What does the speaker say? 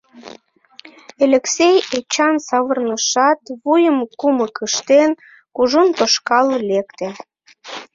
Элексей Эчан савырнышат, вуйым кумык ыштен, кужун тошкал лекте.